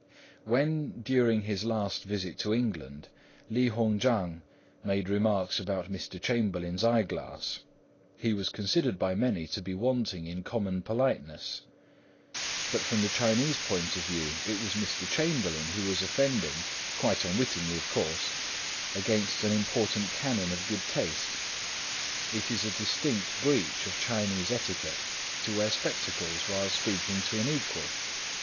When, during his last visit to England, Li Hung chang made remarks about Mr. Chamberlain's eyeglass, he was considered by many to be wanting in common politeness. But from the Chinese point of view it was Mr. Chamberlain who was offending—quite unwittingly, of course—against an important canon of good taste. It is a distinct breach of Chinese etiquette to wear spectacles while speaking to an equal.